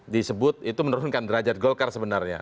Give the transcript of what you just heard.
disebut itu menurunkan derajat golkar sebenarnya